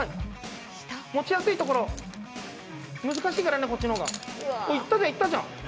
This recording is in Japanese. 持ちやすいところ難しいからねこっちのほうが。いったじゃんいったじゃん。